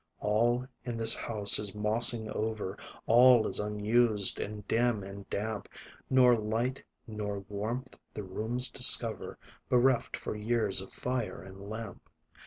All in this house is mossing over; All is unused, and dim, and damp; Nor light, nor warmth, the rooms discover Bereft for years of fire and lamp.